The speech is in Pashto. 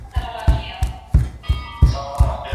ځینې محصلین یوازې د سند ترلاسه کولو هڅه کوي.